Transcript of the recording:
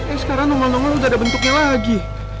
eh sekarang nongol nongol udah ada bentuknya lagi